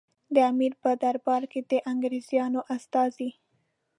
د امیر په دربار کې د انګریزانو استازي.